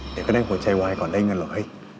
เดี๋ยวก็ได้หัวใจวายก่อนได้เงินเหรอ